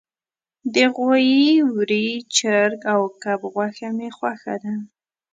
د غوایی، وری، چرګ او کب غوښه می خوښه ده